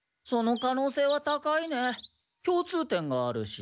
共通点があるし。